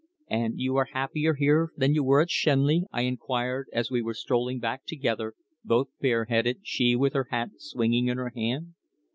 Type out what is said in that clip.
"And you are happier here than you were at Shenley?" I inquired, as we were strolling back together, both bareheaded, she with her hat swinging in her hand.